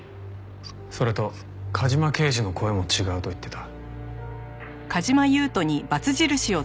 それと梶間刑事の声も違うと言ってた。